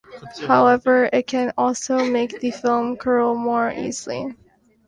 However it can also make the film curl more easily.